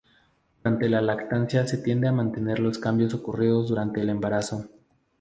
Durante la lactancia se tiende a mantener los cambios ocurridos durante el embarazo.